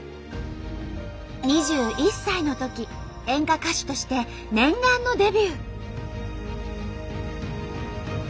２１歳のとき演歌歌手として念願のデビュー。